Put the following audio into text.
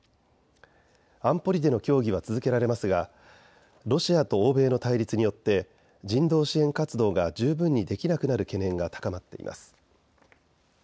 安保理での協議は続けられますがロシアと欧米の対立によって人道支援活動が十分にできなくなる懸念が高まっています。